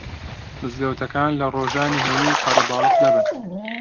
مزگەوتەکان لە ڕۆژانی هەینی قەرەباڵغ دەبن